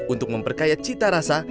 untuk memperkaya cita rasa